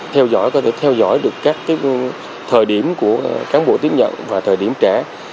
theo dõi có thể theo dõi được các thời điểm của cán bộ tiếp nhận và thời điểm trẻ